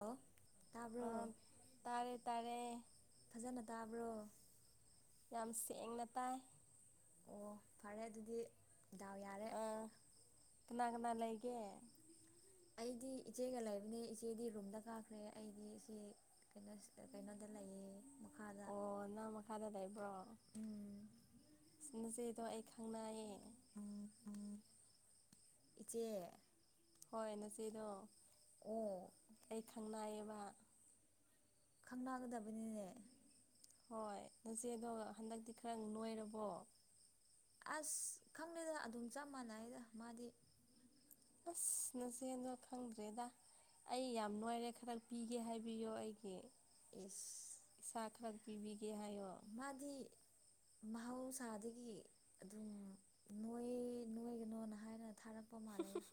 hello ꯑꯥ ꯇꯥꯕ꯭ꯔꯣ ꯇꯥꯔꯦ ꯇꯥꯔꯦ ꯐꯖꯅ ꯇꯥꯕ꯭ꯔꯣ ꯌꯥꯝ ꯁꯦꯡꯅ ꯇꯥꯏ ꯑꯣ ꯐꯔꯦ ꯑꯗꯨꯗꯤ ꯗꯥꯎ ꯌꯥꯔꯦ ꯑꯥ ꯀꯅꯥ ꯀꯅꯥ ꯂꯩꯒꯦ ꯑꯩꯗꯤ ꯏꯆꯦꯒ ꯂꯩꯕꯅꯦ ꯏꯆꯦꯗꯤ ꯔꯨꯝꯗ ꯀꯥꯈ꯭ꯔꯦ ꯑꯩꯗꯤ ꯑꯁꯤ ꯀꯩꯅꯣ ꯁꯤꯗ ꯀꯩꯅꯣꯗ ꯂꯩꯌꯦ ꯃꯈꯥꯗ ꯑꯣ ꯅꯪ ꯃꯈꯥꯗ ꯂꯩꯕ꯭ꯔꯣ ꯎꯝ ꯑꯁ ꯅꯆꯦꯗꯣ ꯑꯩ ꯈꯪꯅꯩꯌꯦ ꯏꯆꯦ ꯍꯣꯏ ꯅꯆꯦꯗꯣ ꯑꯣ ꯑꯩ ꯈꯪꯅꯥꯏꯌꯦꯕ ꯈꯪꯅꯒꯗꯕꯅꯤꯅꯦ ꯍꯣꯏ ꯅꯆꯦꯗꯣ ꯍꯟꯗꯛꯇꯤ ꯈꯔ ꯅꯣꯏꯔꯕꯣ ꯑꯁ ꯈꯪꯗꯦꯗ ꯑꯗꯨꯝ ꯆꯞ ꯃꯥꯟꯅꯩꯗ ꯃꯥꯗꯤ ꯑꯁ ꯅꯆꯦꯗꯣ ꯈꯪꯗ꯭ꯔꯦꯗ ꯑꯩ ꯌꯥꯝ ꯅꯣꯏꯔꯦ ꯈꯔ ꯄꯤꯒꯦ ꯍꯥꯏꯕꯤꯌꯣ ꯑꯩꯒꯤ ꯏꯁ ꯏꯁꯥ ꯈꯔ ꯄꯤꯕꯤꯒꯦ ꯍꯥꯏꯌꯣ ꯃꯥꯗꯤ ꯃꯍꯧꯁꯥꯗꯒꯤ ꯑꯗꯨꯝ ꯅꯣꯏ ꯅꯣꯏꯒꯅꯣꯅ ꯍꯥꯏꯔ ꯊꯥꯔꯛꯄ ꯃꯥꯂꯦꯗ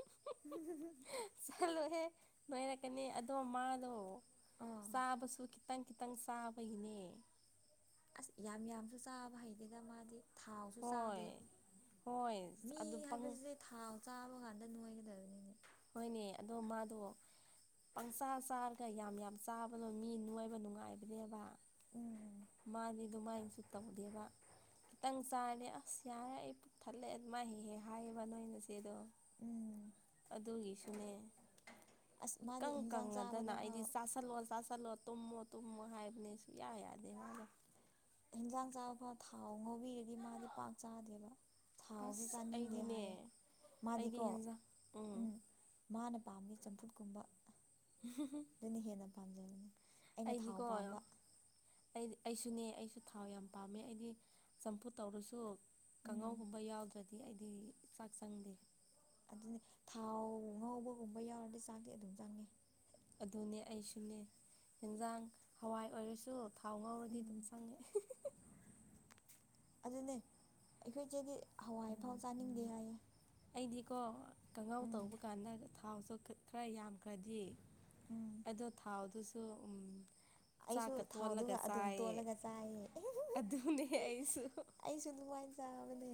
ꯆꯂꯣꯍꯦ ꯅꯣꯏꯔꯛꯀꯅꯤ ꯑꯗꯣ ꯃꯥꯗꯣ ꯑꯥ ꯆꯥꯕꯁꯨ ꯈꯤꯇꯪ ꯈꯤꯇꯪ ꯆꯥꯕꯒꯤꯅꯦ ꯑꯁ ꯌꯥꯝ ꯌꯥꯝꯖꯨ ꯆꯥꯕ ꯍꯩꯇꯦꯗ ꯃꯥꯗꯤ ꯊꯥꯎꯁꯨ ꯍꯣꯏ ꯆꯥꯗꯦ ꯍꯣꯏ ꯃꯤ ꯑꯗꯨ ꯄꯪ ꯍꯥꯏꯕꯖꯤ ꯊꯥꯎ ꯆꯥꯕ ꯀꯥꯟꯗ ꯅꯣꯏꯒꯗꯕꯅꯤꯅꯦ ꯍꯣꯏꯅꯦ ꯑꯗꯣ ꯃꯥꯗꯣ ꯄꯪꯆꯥ ꯆꯥꯔꯒ ꯌꯥꯝ ꯌꯥꯝ ꯆꯥꯕꯅꯣ ꯃꯤ ꯅꯣꯏꯕ ꯅꯨꯡꯉꯥꯏꯕꯅꯦꯕ ꯎꯝ ꯃꯥꯗꯤ ꯑꯗꯨꯃꯥꯏꯟꯁꯨ ꯇꯕꯨꯗꯦꯕ ꯈꯤꯇꯪ ꯆꯥꯔꯅꯤ ꯑꯁ ꯌꯥꯔꯦ ꯑꯩ ꯄꯨꯛ ꯊꯜꯂꯦ ꯑꯗꯨꯃꯥꯥꯏ ꯍꯦꯍꯦꯛ ꯍꯥꯏꯌꯦꯕ ꯅꯣꯏꯅꯆꯦꯗꯣ ꯎꯝ ꯑꯗꯨꯒꯤꯁꯨꯅꯦ ꯑꯁ ꯃꯥꯗꯤ ꯏꯀꯪ ꯍꯤꯟꯖꯥꯡ ꯀꯪꯉꯗꯅ ꯆꯥꯕꯗ ꯑꯩꯗꯤ ꯐꯥꯎ ꯆꯥ ꯁꯜꯂꯣ ꯆꯥꯁꯜꯂꯣ ꯇꯨꯝꯃꯣ ꯇꯨꯝꯃꯣ ꯍꯥꯏꯕꯅꯦ ꯁꯨꯡ ꯌꯥ ꯌꯥꯗꯦ ꯃꯥꯅ ꯍꯤꯟꯖꯥꯡ ꯆꯥꯕ ꯊꯥꯎ ꯉꯧꯕꯤꯔꯗꯤ ꯃꯥꯗꯤ ꯄꯥꯛ ꯆꯥꯗꯦꯕ ꯊꯥꯎꯖꯨ ꯑꯁ ꯆꯥꯅꯤꯡꯗꯦ ꯑꯩꯗꯤꯅꯦ ꯍꯥꯏ ꯑꯩꯗꯤ ꯃꯥꯗꯤꯀꯣ ꯍꯦꯟꯖꯥꯡ ꯎꯝ ꯃꯥꯅ ꯄꯥꯝꯃꯤ ꯆꯝꯐꯨꯠꯀꯨꯝꯕ [unintelligible] ꯑꯗꯨꯅ ꯍꯦꯟꯅ ꯄꯥꯝꯖꯕꯅꯦ ꯑꯩꯗꯤꯀꯣ ꯑꯩꯗꯤ ꯑꯩꯁꯨꯅꯦ ꯑꯩꯁꯨ ꯊꯥꯎ ꯌꯥꯝ ꯄꯥꯝꯃꯦ ꯑꯩꯗꯤ ꯆꯝꯐꯨ ꯇꯧꯔꯁꯨ ꯎꯝ ꯀꯥꯡꯉꯧꯒꯨꯝꯕ ꯌꯥꯎꯗ꯭ꯔꯗꯤ ꯑꯩꯗꯤ ꯆꯥꯛ ꯆꯪꯗꯦ ꯑꯗꯨꯅꯤ ꯊꯥꯎ ꯉꯧꯕꯒꯨꯝꯕ ꯌꯥꯎꯔꯗꯤ ꯆꯥꯛꯗꯤ ꯑꯗꯨꯝ ꯆꯪꯉꯦ ꯑꯗꯨꯅꯦ ꯑꯩꯁꯨꯅꯦ ꯍꯤꯟꯖꯥꯡ ꯍꯋꯥꯏ ꯑꯣꯏꯔꯁꯨ ꯊꯥꯎ ꯉꯥꯎꯔꯗꯤ ꯎꯝ ꯑꯗꯨꯝ ꯆꯪꯉꯦ ꯑꯗꯨꯅꯦ ꯑꯩꯈꯣꯏ ꯏꯆꯦꯗꯤ ꯍꯋꯥꯏꯐꯥꯎ ꯆꯥꯅꯤꯡꯗꯦ ꯍꯥꯏꯌꯦ ꯑꯩꯗꯤꯀꯣ ꯀꯥꯡꯉꯧ ꯎꯝ ꯇꯧꯕ ꯀꯥꯟꯗ ꯊꯥꯎꯁꯨ ꯈꯔ ꯌꯥꯝꯈ꯭ꯔꯗꯤ ꯎꯝ ꯑꯗꯣ ꯊꯥꯎꯗꯨꯁꯨ ꯎꯝ ꯑꯩꯁꯨ ꯆꯥꯛꯀ ꯇꯣꯜꯂꯒ ꯊꯥꯎꯗꯨꯒ ꯑꯗꯨꯝ ꯆꯥꯏꯌꯦ ꯇꯣꯠꯂꯒ ꯆꯥꯏꯌꯦ ꯑꯗꯨꯅꯦ ꯑꯩꯁꯨ ꯑꯩꯁꯨ ꯑꯗꯨꯃꯥꯏ ꯆꯥꯕꯅꯦ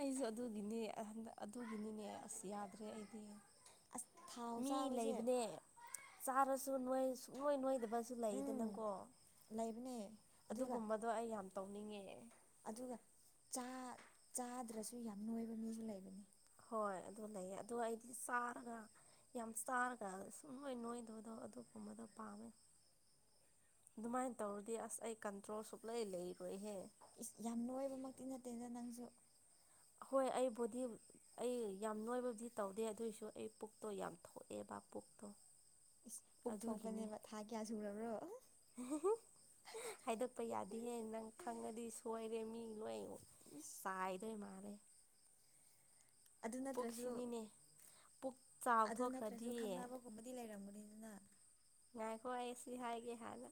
ꯑꯩꯖꯨ ꯑꯗꯨꯒꯤꯅꯦ ꯍꯟꯗꯛ ꯑꯗꯨꯒꯤꯅꯤꯅꯦ ꯑꯁ ꯌꯥꯗ꯭ꯔꯦ ꯑꯩꯗꯤ ꯑꯁ ꯊꯥꯎ ꯃꯤ ꯆꯥꯕꯁꯦ ꯂꯩꯕꯅꯦ ꯆꯥꯔꯁꯨ ꯅꯣꯏ ꯁꯨꯡꯅꯣꯏ ꯅꯣꯏꯗꯕ ꯁꯨ ꯎꯝ ꯂꯩꯗꯅꯀꯣ ꯂꯩꯕꯅꯦ ꯑꯗꯨꯒ ꯑꯗꯨꯒꯨꯝꯕꯗꯣ ꯑꯩ ꯌꯥꯝ ꯇꯧꯅꯤꯡꯉꯦ ꯑꯗꯨꯒ ꯆꯥ ꯆꯥꯗ꯭ꯔꯁꯨ ꯌꯥꯝ ꯅꯣꯏꯕ ꯃꯤꯁꯨ ꯂꯩꯕꯅꯤ ꯍꯣꯏ ꯑꯗꯨ ꯂꯩꯌꯦ ꯑꯗꯣ ꯑꯩꯗꯤ ꯆꯥꯔꯒ ꯌꯥꯝ ꯆꯥꯔꯒ ꯁꯨꯡ ꯅꯣꯏ ꯅꯣꯏꯗꯕꯗꯣ ꯑꯗꯨꯒꯨꯝꯕꯗꯣ ꯄꯥꯝꯃꯦ ꯑꯗꯨꯃꯥꯏꯅ ꯇꯧꯔꯗꯤ ꯑꯁ ꯑꯩ ꯀꯟꯇ꯭ꯔꯣꯜ ꯁꯨꯛꯂꯩ ꯂꯩꯔꯣꯏꯍꯦ ꯏꯁ ꯌꯥꯝ ꯂꯣꯏꯕꯃꯛꯇꯤ ꯅꯠꯇꯦꯗ ꯅꯪꯁꯨ ꯍꯣꯏ ꯑꯩꯕꯨꯗꯤ ꯑꯩ ꯌꯥꯝ ꯅꯣꯏꯕꯕꯨꯗꯤ ꯇꯧꯗꯦ ꯑꯗꯨꯑꯣꯏꯁꯨ ꯑꯩ ꯄꯨꯛꯇꯣ ꯌꯥꯝ ꯊꯣꯛꯑꯦꯕ ꯄꯨꯛꯇꯣ ꯏꯁ ꯄꯨꯛꯊ ꯊꯣꯛꯄꯅꯦꯕ ꯊꯥ ꯀꯌꯥ ꯁꯨꯔꯕ꯭ꯔꯣ ꯍꯥꯏꯗꯛꯄ ꯌꯥꯗꯦꯍꯦ ꯅꯪ ꯈꯪꯉꯗꯤ ꯁꯣꯏꯔꯦ ꯃꯤ ꯂꯣꯏ ꯏꯁ ꯂꯥꯏꯗ ꯃꯥꯅꯦ ꯑꯗꯨ ꯅꯠꯇ꯭ꯔꯁꯨ ꯄꯨꯛꯁꯤꯅꯤꯅꯦ ꯄꯨꯛ ꯆꯥꯎꯊꯣꯛꯈ꯭ꯔꯗꯤ ꯀꯕꯨꯗꯤ ꯂꯩꯔꯝꯕꯅꯤ ꯅꯅꯥ ꯉꯥꯏꯈꯣ ꯑꯩꯁꯤ ꯍꯥꯏꯒꯦ ꯍꯥꯟꯅ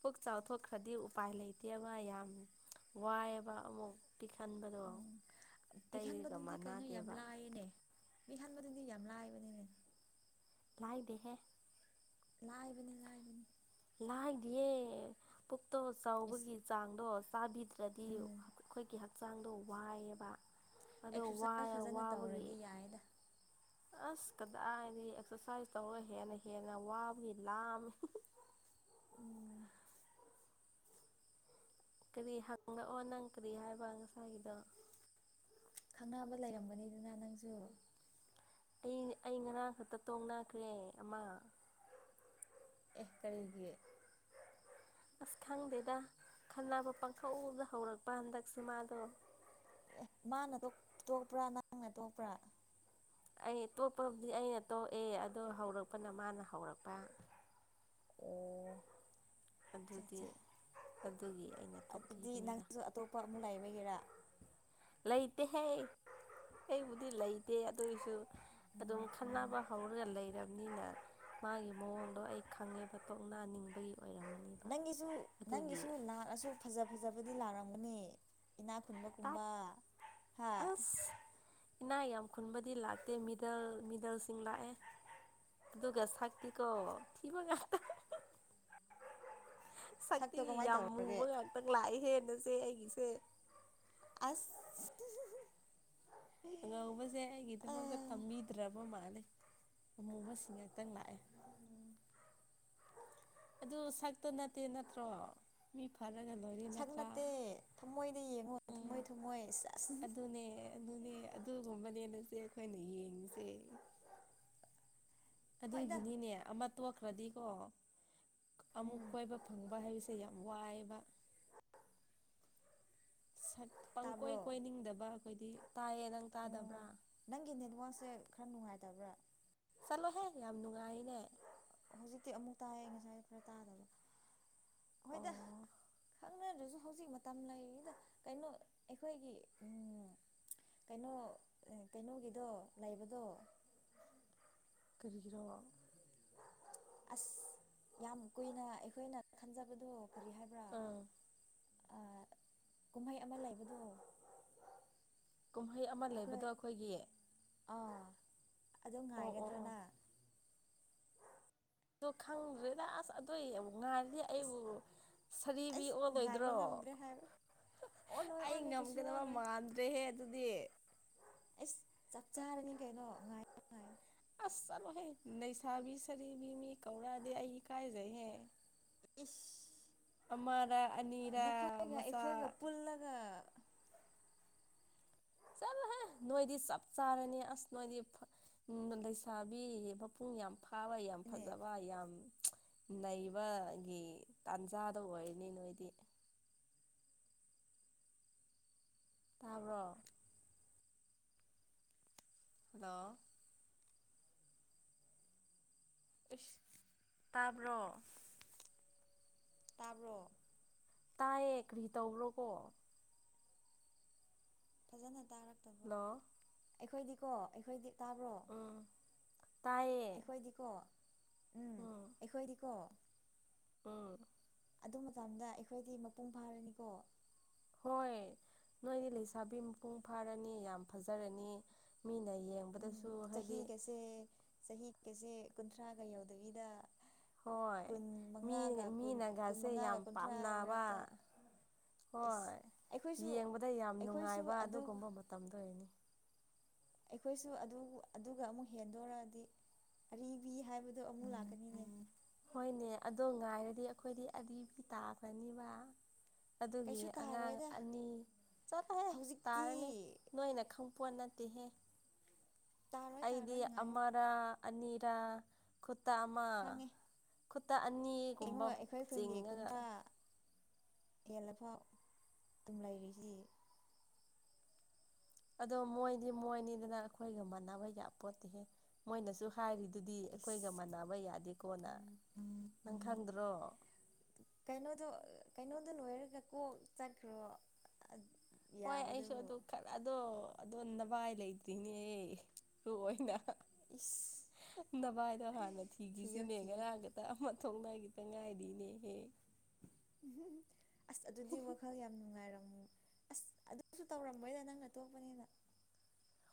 ꯄꯨꯛ ꯆꯥꯎꯊꯣꯛꯈ꯭ꯔꯗꯤ ꯎꯄꯥꯏ ꯂꯩꯇꯦꯕ ꯌꯥꯝ ꯋꯥꯏꯑꯕ ꯑꯃꯨꯛ ꯈꯥꯟꯥꯟꯕꯕꯗ ꯎꯝ ꯄꯤꯛꯍꯟꯕꯗꯨꯗꯤ ꯀꯩꯅꯣ ꯌꯥꯝ ꯃꯥꯟꯅꯗꯦꯕ ꯂꯥꯏꯌꯦꯅꯦ ꯄꯍꯟꯥꯟꯕꯗꯨꯗꯤ ꯌꯥꯝ ꯂꯥꯏꯕꯅꯤꯅꯦ ꯂꯥꯏꯗꯦꯍꯦ ꯂꯥꯏꯕꯅꯤ ꯂꯥꯏꯕꯅꯤ ꯂꯥꯏꯗꯤꯌꯦ ꯄꯨꯛꯇꯣ ꯏꯁ ꯆꯥꯎꯕꯒꯤ ꯆꯥꯡꯗꯣ ꯆꯥꯕꯤꯗ꯭ꯔꯦ ꯗꯗꯤ ꯎꯝ ꯑꯩꯈꯣꯏꯒꯤ ꯍꯛꯆꯥꯡꯗꯣ ꯋꯥꯏꯑꯕ ꯑꯗꯣ ꯑꯦꯛꯁꯔꯁꯥꯏꯁ ꯐꯖꯅ ꯋꯥꯕꯒꯤ ꯇꯧꯔꯗꯤ ꯌꯥꯏꯗ ꯑꯁ ꯀꯗꯥꯏꯗꯤ ꯑꯦꯛꯁꯔꯁꯥꯏꯖ ꯇꯧꯔꯒ ꯍꯦꯟꯅ ꯍꯦꯟꯅ ꯋꯥꯕꯒꯤ ꯂꯥꯝꯃꯤ ꯎꯝ ꯀꯔꯤ ꯍꯪꯪꯂꯛꯑꯣ ꯅꯪ ꯀꯔꯤ ꯍꯥꯏꯕ ꯉꯁꯥꯏꯒꯤꯗꯣ ꯈꯪꯅꯕ ꯂꯩꯔꯝꯒꯅꯤꯗꯨꯅ ꯅꯪꯁꯨ ꯑꯩ ꯑꯩ ꯉꯔꯥꯡ ꯈꯛꯇ ꯇꯣꯡꯅꯈ꯭ꯔꯦ ꯑꯃ ꯑꯦ ꯀꯔꯤꯒꯤ ꯑꯁ ꯈꯪꯗꯦꯗ ꯈꯟꯅꯕ ꯄꯥꯡꯈꯊꯧꯗ ꯍꯧꯔꯛꯄ ꯍꯟꯗꯛꯁꯦ ꯃꯥꯗꯣ ꯑꯦ ꯃꯥꯅ ꯇꯣꯛꯄ꯭ꯔꯥ ꯅꯪꯅ ꯇꯣꯛꯄ꯭ꯔꯥ ꯑꯩ ꯇꯣꯞꯄꯕꯨꯗꯤ ꯑꯩꯅ ꯇꯣꯛꯑꯦ ꯑꯗꯣ ꯍꯧꯔꯛꯄꯅ ꯃꯥꯅ ꯍꯧꯔꯛꯄ ꯑꯣ ꯆꯥ ꯑꯗꯨꯗꯤ ꯆꯥ ꯑꯗꯨꯒꯤ ꯑꯩꯅ ꯑꯗꯨꯗꯤ ꯇꯣꯛꯄꯤꯕꯅꯤꯅ ꯅꯪꯁꯨ ꯑꯇꯣꯞꯄ ꯑꯃꯛ ꯂꯩꯕꯒꯦꯔꯥ ꯂꯩꯇꯦꯍꯦ ꯑꯩꯕꯨꯗꯤ ꯂꯩꯇꯦ ꯑꯗꯨꯏꯁꯨ ꯑꯗꯨꯝ ꯈꯟꯅꯕ ꯍꯧꯔꯒ ꯂꯩꯔꯕꯅꯤꯅ ꯃꯥꯒꯤ ꯃꯑꯣꯡꯗꯣ ꯑꯩ ꯈꯪꯉꯦꯕ ꯇꯣꯛꯅꯟꯅꯤꯡꯕꯒꯤ ꯑꯣꯏꯔꯝꯃꯅꯤ ꯅꯪꯒꯤꯁꯨ ꯅꯪꯒꯤꯁꯨ ꯂꯥꯛꯑꯁꯨ ꯐꯖ ꯐꯖꯕꯗꯤ ꯂꯥꯛꯂꯝꯝꯒꯅꯤ ꯏꯅꯥꯛ ꯂꯥꯛ ꯈꯨꯨꯟꯕꯒꯨꯝꯕ ꯍꯥ ꯑꯁ ꯏꯅꯥ ꯌꯥꯝ ꯈꯨꯟꯕꯗꯤ ꯂꯥꯛꯇꯦ ꯃꯤꯗꯜ ꯃꯤꯗꯜꯁꯤꯡ ꯂꯥꯛꯑꯦ ꯑꯗꯨꯒꯗꯨꯒ ꯁꯥꯛꯇꯤ ꯀꯣ ꯊꯤꯕꯒ ꯁꯛꯇꯣ ꯁꯛꯇꯤ ꯀꯃꯥꯏꯅ ꯌꯥꯝ ꯇꯧꯔꯒꯦ ꯃꯨꯕ ꯉꯥꯛꯇꯪ ꯂꯥꯛꯑꯦ ꯍꯦꯟꯅꯁꯦ ꯑꯩꯒꯤꯁꯦ ꯑꯁ ꯍ ꯑꯉꯧꯕꯁꯦ ꯑꯩꯒꯤꯗꯃꯛꯇ ꯇꯝꯕꯤꯗ꯭ꯔꯕ ꯃꯥꯂꯦ ꯑꯃꯨꯕꯁꯤꯡ ꯉꯥꯛꯛꯇꯪ ꯂꯥꯛꯑꯦ ꯑꯗꯨ ꯁꯛꯇ ꯅꯠꯇꯦ ꯅꯠꯇ꯭ꯔꯣ ꯃꯤ ꯐꯔꯒꯂꯣꯏꯔꯤ ꯁꯛ ꯅꯠꯇꯦ ꯊꯝꯃꯣꯏꯗ ꯌꯦꯡꯉꯣ ꯎꯝ ꯊꯝꯃꯣꯏ ꯊꯝꯃꯣꯏ ꯆ ꯑꯗꯨꯅꯦ ꯑꯗꯨꯅꯦ ꯑꯗꯨꯒꯨꯝꯕꯅꯦ ꯅꯆꯦ ꯑꯩꯈꯣꯏꯅ ꯌꯦꯡꯉꯤꯁꯦ ꯍꯣꯏꯗ ꯑꯗꯨꯒꯤꯅꯤꯅꯦ ꯑꯃ ꯇꯣꯛꯈ꯭ꯔꯗꯤꯀꯣ ꯑꯃꯨꯛ ꯎꯝ ꯀꯣꯏꯕ ꯐꯪꯉ ꯋꯥꯍꯥꯏꯕꯁꯦ ꯌꯥꯝ ꯋꯥꯏꯕ ꯄꯪꯀꯣꯏ ꯇꯥꯕ꯭ꯔꯣ ꯀꯣꯏꯅꯤꯡꯗꯕ ꯑꯩꯈꯣꯏꯗꯤ ꯇꯥꯏꯌꯦ ꯅꯪ ꯇꯥꯗꯕ꯭ꯔꯥ ꯎꯝ ꯅꯪꯒꯤ ꯅꯦꯠꯋꯥꯛꯁꯦ ꯈꯔ ꯅꯨꯡꯉꯥꯏꯇꯕ꯭ꯔꯥ ꯆꯠꯂꯣꯍꯦ ꯌꯥꯝ ꯅꯨꯡꯉꯥꯏꯅꯦ ꯍꯧꯖꯤꯛꯇꯤ ꯑꯃꯨꯛ ꯇꯥꯏꯑꯌꯦ ꯉꯁꯥꯏ ꯈꯔ ꯇꯥꯗꯕ ꯍꯣꯏꯗ ꯑꯣ ꯈꯪꯅꯗ꯭ꯔꯁꯨ ꯍꯧꯖꯤꯛ ꯃ ꯇꯝꯂꯩꯔꯤꯗ ꯀꯩꯅꯣ ꯑꯩꯈꯣꯏꯒꯤ ꯎꯝ ꯀꯩꯅꯣ ꯀꯩꯅꯣꯒꯤꯗꯣ ꯂꯩꯕꯗꯣ ꯀꯔꯤꯒꯤꯔꯣ ꯑꯁ ꯌꯥꯝ ꯀꯨꯏꯅ ꯑꯩꯈꯣꯏꯅ ꯈꯟꯖꯕꯗꯣ ꯀꯔꯤ ꯍꯥꯏꯕ꯭ꯔꯥ ꯑꯥ ꯑꯥ ꯀꯨꯝꯍꯩ ꯑꯃ ꯂꯩꯕꯗꯣ ꯀꯨꯝꯍꯩ ꯑꯃ ꯑꯩꯈꯣꯏ ꯂꯩꯕꯗꯣ ꯑꯩꯈꯣꯏꯒꯤ ꯑꯥ ꯑꯗꯨ ꯑꯣ ꯑꯣ ꯑꯣ ꯉꯥꯏꯒꯗ꯭ꯔꯣꯅꯪ ꯑꯗꯣ ꯈꯪꯗ꯭ꯔꯦꯗ ꯑꯁ ꯑꯗꯨꯢ ꯑꯃꯨꯛ ꯉꯥꯏꯔꯗꯤ ꯑꯩꯁ ꯑꯩꯕꯨ ꯁꯥꯔꯤꯕꯤ ꯑꯩꯁ ꯉꯥꯏꯕ ꯑꯣꯜꯂꯣꯏꯗ꯭ꯔꯣ ꯉꯝꯗ꯭ꯔꯦ ꯍꯥꯏꯕ ꯑꯣꯜꯂꯣꯏ ꯑꯩ ꯑꯣꯜꯂꯣꯏ ꯀꯩꯁꯨ ꯉꯝꯒꯗꯕ ꯑꯣꯜꯂꯣꯏ ꯃꯥꯟꯗ꯭ꯔꯦꯍꯦ ꯑꯗꯨꯗꯤ ꯑꯩꯁ ꯆꯞ ꯆꯥꯔꯅꯤ ꯀꯩꯅꯣ ꯉꯥꯏꯌꯣ ꯉꯥꯏꯌꯣ ꯑꯁ ꯆꯂꯣ ꯍꯦ ꯅꯩꯁꯥꯕꯤ ꯁꯔꯤꯕꯤ ꯃꯤ ꯀꯧꯔꯥꯗꯤ ꯑꯩ ꯢꯀꯥꯏꯖꯩ ꯍꯦ ꯏꯁ ꯑꯃꯔ ꯑꯅꯤꯔ ꯅꯈꯣꯏꯒ ꯃꯆꯥ ꯑꯩꯈꯣꯏꯒ ꯄꯨꯜꯂꯒꯅꯦ ꯆꯠꯂꯣ ꯍꯦ ꯅꯣꯏꯗꯤ ꯆꯞ ꯆꯥꯔꯅꯤ ꯑꯁ ꯅꯣꯏꯗꯤ ꯎꯝ [unintelligible] ꯂꯩꯁꯥꯕꯤ ꯃꯄꯨꯡ ꯌꯥꯝ ꯐꯥꯕ ꯌꯥꯝ ꯐꯖꯕ ꯌꯥꯝ ꯂꯪꯕꯒꯤ ꯇꯥꯟꯖꯥꯗ ꯑꯣꯏꯔꯅꯤ ꯅꯣꯏꯗꯤ ꯇꯥꯕꯔꯣ ꯍꯂꯣ ꯑꯁ ꯇꯥꯕ꯭ꯔꯣ ꯇꯥꯕ꯭ꯔꯣ ꯇꯥꯏꯌꯦ ꯀꯔꯤ ꯇꯧꯕꯔꯣꯀꯣ ꯐꯖꯅ ꯇꯥꯔꯛꯇꯕ ꯍꯂꯣ ꯑꯩꯈꯣꯏꯗꯤꯀꯣ ꯑꯩꯈꯣꯏꯗꯤ ꯇꯥꯕ꯭ꯔꯣ ꯎꯝ ꯇꯥꯏꯌꯦ ꯑꯩꯈꯣꯏꯗꯤꯀꯣ ꯎꯝ ꯑꯩꯈꯣꯏꯗꯤ ꯑꯣ ꯑꯗꯨ ꯃꯇꯝꯗ ꯑꯩꯈꯣꯏꯗꯤ ꯃꯄꯨꯡ ꯐꯥꯔꯅꯤꯀꯣ ꯍꯣꯏ ꯅꯣꯏꯗꯤ ꯂꯩꯁꯥꯕꯤ ꯃꯄꯨꯡ ꯐꯥꯔꯅꯤ ꯌꯥꯝ ꯐꯖꯔꯅꯤ ꯃꯤꯅ ꯌꯦꯡ ꯎꯝ ꯆꯍꯤꯒꯁꯦ ꯆꯍꯤꯒꯁꯦ ꯀꯨꯟꯊ꯭ꯔꯥꯒ ꯌꯧꯗꯕꯤꯗ ꯍꯣꯏ ꯀꯨꯟ ꯃꯤ ꯃꯉꯥꯒ ꯀꯨꯟ ꯀꯨꯟ ꯃꯤꯅꯒꯥꯁꯦ ꯌꯥꯝ ꯃꯉꯥꯒ ꯀꯨꯟꯊ꯭ꯔꯥ ꯄꯥꯝꯅꯕ ꯃꯔꯛꯇ ꯑꯦꯁ ꯍꯣꯏ ꯑꯩꯈꯣꯏꯁꯨ ꯌꯦꯡꯕꯗ ꯌꯥꯝ ꯑꯩꯈꯣꯏꯁꯨ ꯅꯨꯡꯉꯥꯏꯕ ꯑꯗꯨ ꯑꯗꯨꯒꯨꯝꯕ ꯃꯇꯝꯗꯣ ꯑꯣꯏꯅꯤ ꯑꯩꯈꯣꯏꯁꯨ ꯑꯗꯨ ꯑꯗꯨꯒ ꯑꯃꯨꯛ ꯍꯦꯟꯗꯣꯔꯛꯑꯗꯤ ꯑꯔꯤꯕꯤ ꯍꯥꯏꯕꯗꯣ ꯑꯃꯨꯛ ꯂꯥꯛꯀꯅꯤꯅꯦ ꯍꯣꯏꯅꯦ ꯑꯗꯣ ꯉꯥꯏꯔꯗꯤ ꯑꯩꯈꯣꯏꯗꯤ ꯑꯔꯤ ꯇꯥꯈꯅꯤꯕ ꯑꯗꯨꯒꯤ ꯀꯩꯁꯨ ꯑꯉꯥꯡ ꯇꯥꯔꯣꯏꯗ ꯑꯅꯤ ꯆꯠꯊꯣꯍꯦ ꯍꯧꯖꯤꯛꯇꯤ ꯇꯥꯔꯅꯤ ꯅꯣꯏꯅ ꯈꯪ ꯄꯣꯠ ꯅꯠꯇꯦꯍꯦ ꯇꯥꯔꯣꯏ ꯑꯩꯗꯤ ꯇꯥꯔꯣꯏ ꯉꯥꯏꯌꯣ ꯑꯃꯔꯥ ꯑꯅꯤꯔꯥ ꯈꯨꯠꯇ ꯑꯃꯥ ꯈꯪꯉꯦ ꯈꯨꯠꯇꯥ ꯑꯅꯤ ꯌꯦꯡꯉꯣ ꯑꯩꯈꯣꯏ ꯈꯨꯨꯟꯒꯤ ꯀꯨꯟꯇꯥ ꯌꯦꯜꯂꯐꯥꯎ ꯑꯗꯨꯝ ꯂꯩꯔꯤꯁꯤ ꯑꯗꯣ ꯃꯣꯏꯗꯤ ꯃꯣꯏꯅꯤꯗꯅ ꯑꯩꯈꯣꯏꯒ ꯃꯥꯟꯅꯕ ꯌꯥ ꯄꯣꯠꯇ‌ꯦꯍꯦ ꯃꯣꯏꯅꯁꯨ ꯍꯥꯏꯔꯤꯗꯨꯗꯤ ꯏꯁ ꯑꯩꯈꯣꯏꯒ ꯃꯥꯟꯅꯕ ꯌꯥꯗꯦꯀꯣꯅ ꯅꯪ ꯈꯪꯗ꯭ꯔꯣ ꯀꯩꯅꯣꯗꯣ ꯀꯩꯅꯣꯗꯣ ꯅꯣꯏꯔꯒ ꯀꯣꯛ ꯆꯠꯈ꯭ꯔꯣ ꯍꯣꯏ ꯑꯩꯁꯨ ꯌꯥꯕꯗꯨꯕꯨ ꯑꯗꯨ ꯈꯔꯥ ꯑꯗꯣ ꯑꯗꯣ ꯅꯚꯥꯏ ꯂꯩꯇ꯭ꯔꯤꯅꯦꯍ‌ꯦ ꯃꯔꯨ ꯑꫭꯏꯅ ꯏꯁ ꯅꯚꯥꯏꯗꯣ ꯍꯥꯟꯅ ꯊꯤꯌꯣ ꯊꯤꯈꯤꯁꯤꯅꯦ ꯊꯤꯌꯣ ꯉꯔꯥꯡꯒ ꯑꯃꯥ ꯊꯣꯡꯅꯈꯤꯗ ꯉꯥꯏꯔꯤꯅꯦꯍꯦ ꯑꯁ ꯑꯗꯨꯗꯤ ꯋꯥꯈꯜ ꯌꯥꯝ ꯅꯨꯡꯉꯥꯏꯔꯝꯃ ꯑꯁ ꯑꯗꯨꯁꯨ ꯇꯧꯔꯝꯃꯣꯏꯗ ꯅꯪꯅ ꯇꯣꯛꯄꯅꯤꯅ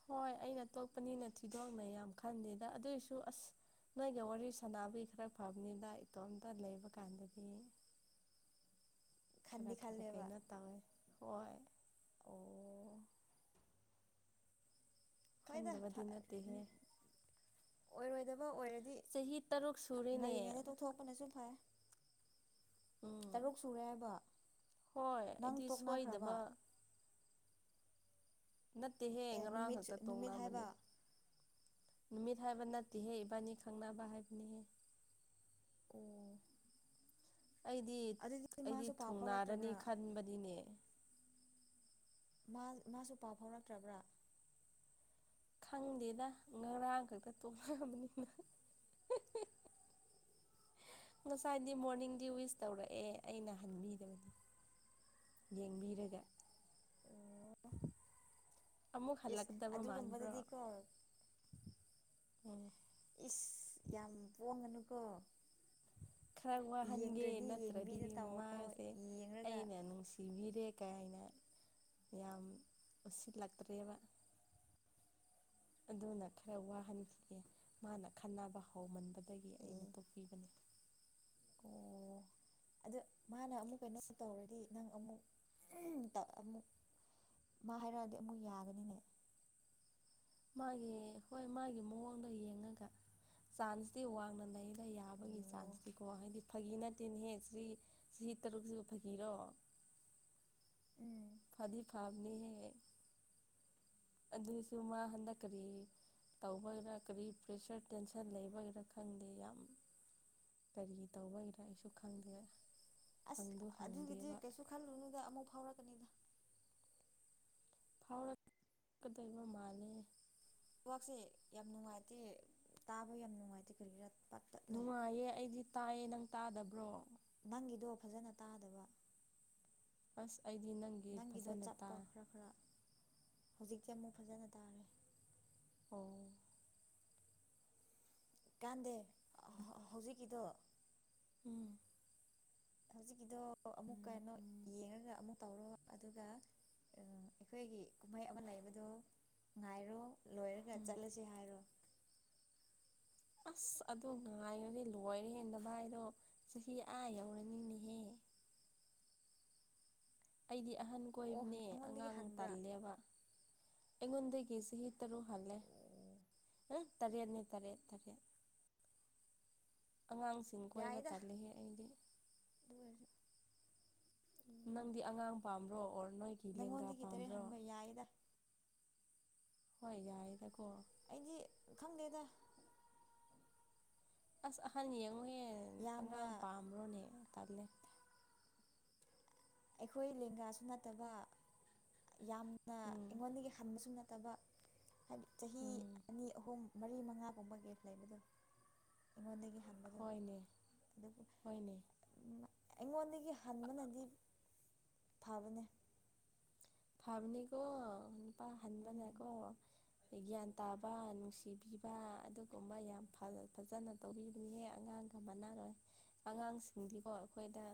ꯍꯣꯏ ꯑꯩꯅ ꯇꯣꯛꯄꯅꯤꯅ ꯊꯤꯗꯣꯛꯅꯩ ꯌꯥꯝ ꯈꯟꯗꯦꯗ ꯑꯗꯨꯑꯣꯏꯁꯨ ꯑꯁ ꯅꯣꯏꯒ ꯋꯥꯔꯤ ꯁꯥꯟꯅꯕꯒꯤ ꯈꯔ ꯐꯕꯅꯤꯗ ꯏꯇꯣꯝꯇ ꯂꯩꯕ ꯀꯥꯟꯗꯗꯤ [inaudible] ꯈꯔ ꯈꯟꯗꯤ ꯈꯔ ꯈꯜꯂꯦꯕ ꯀꯩꯅꯣ ꯇꯧꯋꯦ ꯍꯣꯏ ꯑꯣ ꯍꯣꯏꯗ ꯐꯥ ꯈꯟꯗꯕꯗꯤ ꯅꯠꯇꯦꯍꯦ ꯑꯣꯏꯔꯣꯏꯗꯕ ꯑꯣꯏꯔꯗꯤ ꯆꯍꯤ ꯇꯔꯨꯛ ꯁꯨꯔꯤꯅꯦ ꯇꯣꯛꯄꯅꯁꯨ ꯐꯥꯏꯌꯦ ꯎꯝ ꯇꯔꯨꯛ ꯁꯨꯔꯦ ꯍꯥꯏꯕ ꯍꯣꯏ ꯅꯪ ꯑꯩꯗꯤ ꯇꯣꯛꯅꯈ꯭ꯔꯕꯥ ꯁꯣꯏꯗꯕ ꯅꯠꯇꯦꯍꯦ ꯑꯦ ꯉꯔꯥꯡ ꯅꯨꯃꯤꯠ ꯈꯛꯇ ꯅꯨꯃꯤꯠ ꯍꯥꯏꯕ ꯇꯣꯛꯅꯕꯅꯦ ꯅꯨꯃꯤꯠ ꯍꯥꯏꯕ ꯅꯠꯇꯦꯍꯦ ꯏꯕꯥꯅꯤ ꯈꯪꯅꯕ ꯍꯥꯏꯕꯅꯤꯍꯦ ꯑꫭ ꯑꯩꯗꯤ ꯑꯩꯗꯤ ꯃꯥꯁꯨ ꯄꯥꯎ ꯊꯨꯡꯅꯥꯔꯅꯤ ꯐꯥꯎꯔꯛꯇ꯭ꯔꯕ꯭ꯔꯥ ꯈꯟꯕꯅꯤꯅꯦ ꯃꯥ ꯃꯥꯁꯨ ꯄꯥꯎ ꯐꯥꯎꯔꯛꯇ꯭ꯔꯕ꯭ꯔꯥ ꯈꯪꯗꯦꯗ ꯉꯔꯥꯡ ꯈꯛꯇ ꯇꯣꯡꯅꯕꯅꯤꯅ ꯉꯁꯥꯏꯗꯤ ꯃꯣꯔꯅꯤꯡꯗꯤ ꯋꯤꯁ ꯇꯧꯔꯛꯑꯦ ꯑꯩꯅ ꯍꯟꯕꯤꯗ꯭ꯔꯦ ꯌꯦꯡꯕꯤꯔꯒ ꯑꯣ ꯑꯃꯨꯛ ꯏꯁ ꯍꯜꯂꯛꯀꯗꯕ ꯃꯥꯟꯕ꯭ꯔꯣ ꯑꯗꯨꯒꯨꯝꯕꯗꯨꯗꯤꯀꯣ ꯎꯝ ꯏꯁ ꯌꯥꯝ ꯄꯣꯡꯉꯅꯨꯀꯣ ꯈꯔꯥ ꯋꯥꯍꯟꯒꯦ ꯅꯠꯇ꯭ꯔꯗꯤ ꯌꯦꯡꯕꯤꯗ ꯇꯧꯋꯣ ꯃꯥꯁꯦ ꯌꯦꯡꯔꯒ ꯑꯩꯅ ꯅꯨꯡꯁꯤ ꯕꯤꯔꯦ ꯀꯥꯏꯅ ꯌꯥꯝ ꯎꯁꯤꯠꯂꯛꯇ꯭ꯔꯦꯕꯥ ꯑꯗꯨꯅ ꯈꯔ ꯋꯥꯍꯟꯈꯤꯒꯦ ꯃꯥꯅ ꯈꯟꯅꯕ ꯍꯧꯃꯟꯕꯗꯒꯤ ꯑꯦ ꯑꯩꯅ ꯇꯣꯛꯄꯤꯕꯅꯦ ꯑꯣ ꯑꯗꯨ ꯃꯥꯅ ꯑꯃꯨꯛ ꯀꯩꯅꯣ ꯇꯧꯔꯗꯤ ꯅꯪ ꯑꯃꯨꯛ ꯑꯃꯨꯛ ꯃꯥ ꯍꯥꯏꯔꯛꯑꯗꯤ ꯑꯃꯨꯛ ꯌꯥꯒꯅꯤꯅꯦ ꯃꯥꯒꯤ ꯍꯣꯏ ꯃꯥꯒꯤ ꯃꯑꯣꯡꯗ ꯌꯦꯡꯉꯒ ꯆꯥꯟꯁꯇꯤ ꯋꯥꯡꯅ ꯂꯩꯑꯦ ꯑꯩ ꯌꯥꯕꯒꯤ ꯑꯣ ꯆꯥꯟꯁꯇꯤꯀꯣ ꯍꯥꯏꯗꯤ ꯐꯥꯒꯤ ꯅꯠꯇꯦꯅꯦꯍꯦ ꯆꯍꯤ ꯆꯍꯤ ꯇꯔꯨꯛꯁꯤꯕꯨ ꯐꯥꯒꯤꯔꯣ ꯎꯝ ꯐꯗꯤ ꯐꯕꯅꯦꯍꯦ ꯑꯗꯨꯁꯨ ꯃꯥ ꯍꯟꯗꯛ ꯀꯔꯤ ꯇꯧꯕꯒꯤꯔꯥ ꯀꯔꯤ ꯄ꯭ꯔꯦꯁꯔ ꯇꯦꯟꯁꯟ ꯂꯩꯕꯒꯤꯔꯥ ꯈꯪꯗꯦ ꯌꯥꯝ ꯀꯔꯤ ꯇꯧꯕꯩꯔ ꯑꯩꯁꯨ ꯈꯪꯗꯦ ꯑꯁ ꯍꯪꯗꯨ ꯑꯗꯨꯒꯤꯗꯤ ꯍꯪꯗꯦꯕ ꯀꯩꯁꯨ ꯈꯜꯂꯨꯅꯨꯗ ꯑꯃꯨꯛ ꯐꯥꯎꯔꯛꯀꯅꯤꯗ ꯐꯥꯎꯔꯛꯀꯗꯕ ꯃꯥꯜꯂꯦ ꯅꯦꯠꯋꯥꯛꯁꯦ ꯌꯥꯝ ꯅꯨꯡꯉꯥꯏꯇꯦ ꯇꯥꯕ ꯌꯥꯝ ꯅꯨꯡꯉꯥꯏꯇꯦ ꯀꯔꯤꯔꯥ ꯄꯠ ꯇꯠ ꯅꯨꯡꯉꯥꯏꯌꯦ ꯑꯩꯗꯤ ꯇꯥꯏꯌꯦ ꯅꯪ ꯇꯥꯗꯕ꯭ꯔꯣ ꯅꯪꯒꯤꯗꯣ ꯐꯖꯅ ꯇꯥꯗꯕ ꯑꯁ ꯑꯩꯗꯤ ꯅꯪ ꯅꯪꯒꯤꯗꯣ ꯆꯠꯄ ꯈꯔ ꯈꯔ ꯍꯧꯖꯤꯛꯇꯤ ꯑꯃꯨꯛ ꯐꯖꯅ ꯇꯥꯔꯦ ꯑꯣ ꯀꯥꯟꯗꯦ ꯍꯧꯖꯤꯛꯀꯤꯗꯣ ꯎꯝ ꯍꯧꯖꯤꯛꯀꯤꯗꯣ ꯑꯃꯨꯛ ꯀꯩꯅꯣ ꯌꯦꯡꯉꯒ ꯑꯃꯨꯛ ꯇꯧꯔꯒ ꯑꯗꯨꯒ ꯑꯩꯈꯣꯏꯒꯤ ꯀꯨꯝꯍꯩ ꯑꯃ ꯂꯩꯕꯗꯣ ꯉꯥꯏꯔꯣ ꯂꯣꯏꯔꯒ ꯎꯝ ꯆꯠꯂꯁꯤ ꯍꯥꯏꯔꯣ ꯑꯁ ꯑꯗꯨ ꯉꯥꯏꯔꯗꯤ ꯂꯣꯏꯔꯦ ꯅꯚꯥꯏꯗꯣ ꯆꯍꯤ ꯑꯥ ꯌꯧꯔꯅꯤꯅꯦꯍꯦ ꯑꯩꯗꯤ ꯑꯍꯟ ꯑꯣ ꯀꯣꯏꯕꯅꯦ ꯅꯪꯉꯣꯟꯗꯒꯤ ꯑꯉꯥꯡ ꯍꯟꯕ꯭ꯔꯥ ꯇꯜꯂꯦꯕ ꯑꯩꯉꯣꯟꯗꯒꯤ ꯆꯍꯤ ꯇꯔꯨꯛ ꯍꯜꯂꯦ ꯑꯣ ꯇꯔꯦꯠꯅꯤ ꯇꯔꯦꯠ ꯇꯔꯦꯠꯅꯤ ꯑꯉꯥꯡꯁꯤꯡ ꯀꯣꯏꯕ ꯇꯜꯂꯤꯍꯦ ꯑꯩꯗꯤ ꯎꯝ ꯅꯪꯗꯤ ꯑꯉꯥꯡ ꯄꯥꯝꯕ꯭ꯔꯣ ꯑꯣꯔ ꯅꯣꯏꯒꯤ ꯂꯦꯡꯒꯥ ꯅꯪꯉꯣꯟꯗꯒꯤ ꯇꯔꯦꯠ ꯄꯥꯝꯕ꯭ꯔꯣ ꯍꯟꯕ ꯌꯥꯏꯗ ꯍꯣꯏ ꯌꯥꯏꯗꯀꯣ ꯑꯩꯗꯤ ꯈꯪꯗꯦꯗ ꯑꯁ ꯑꯍꯟ ꯌꯦꯡꯉꯣꯅꯦ ꯌꯥꯝꯅ ꯑꯉꯥꯡ ꯄꯥꯝꯕ꯭ꯔꯣꯅꯦ ꯇꯜꯂꯦ ꯑꯩꯈꯣꯏ ꯂꯦꯡꯒꯥꯁꯨ ꯅꯠꯇꯕ ꯌꯥꯝꯅ ꯎꯝ ꯑꯩꯉꯣꯟꯗꯒꯤ ꯍꯟꯕꯁꯨ ꯅꯠꯇꯕ ꯍꯥꯏꯗꯤ ꯆꯍꯤ ꯎꯝ ꯑꯅꯤ ꯑꯍꯨꯝ ꯃꯔꯤ ꯃꯉꯥꯒꯨꯝꯕ ꯒꯦꯞ ꯂꯩꯕꯗꯣ ꯑꯩꯉꯣꯟꯗꯒꯤ ꯍꯟꯕꯗꯣ ꯍꯣꯏꯅꯦ ꯑꯗꯨꯕꯨ ꯍꯣꯏꯅꯦ ꯑꯩꯉꯣꯟꯗꯒꯤ ꯍꯟꯕꯅꯗꯤ ꯐꯕꯅꯦ ꯐꯥꯕꯅꯤꯀꯣ ꯅꯨꯄꯥ ꯎꯝ ꯍꯥꯟꯕꯅꯀꯣ ꯒꯤꯌꯥꯟ ꯇꯥꯕ ꯅꯨꯡꯁꯤꯕꯤꯕ ꯑꯗꯨꯒꯨꯝꯕ ꯌꯥꯝ ꯐꯖꯅ ꯇꯧꯕꯤꯕꯅꯤꯍꯦ ꯑꯉꯥꯡꯒ ꯃꯥꯟꯅꯔꯣꯏ ꯑꯉꯥꯡꯁꯤꯡꯗꯤꯀꯣ ꯑꯩꯈꯣꯏꯗ